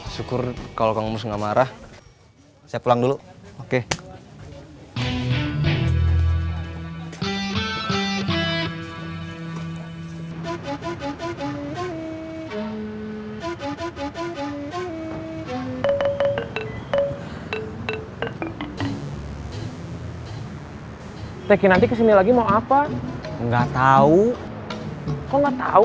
syukur kalau kang mus gak marah